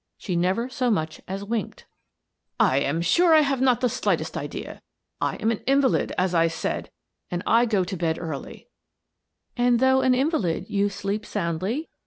She never so much as winked. I Meet Mrs. Maria Bladesdell 203 " I am sure I have not the slightest idea. I am an invalid, as I said, and I go to bed early/' " And, though an invalid, you sleep soundly?